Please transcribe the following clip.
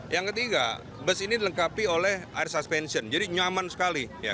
yang ketiga bus ini dilengkapi oleh air suspension jadi nyaman sekali